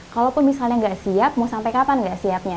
kalaupun misalnya nggak siap mau sampai kapan nggak siapnya